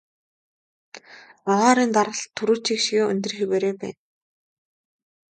Агаарын даралт түрүүчийнх шигээ өндөр хэвээрээ байна.